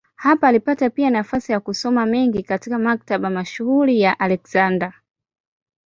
Hapa alipata pia nafasi ya kusoma mengi katika maktaba mashuhuri ya Aleksandria.